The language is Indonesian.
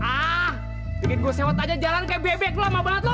tingin gua sewat aja jalan kaya bebek lu lama banget lu